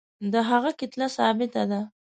د هغه کتله ثابته ده.